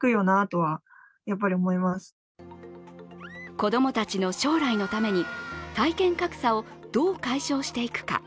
子供たちの将来のために体験格差をどう解消していくか。